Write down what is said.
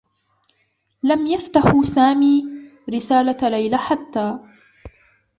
لم يفتح سامي رسالة ليلى حتّى.